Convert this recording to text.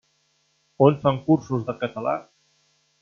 On fan cursos de català?